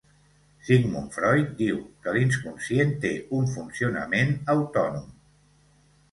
Sigmund Freud diu que l'inconscient té un funcionament autònom.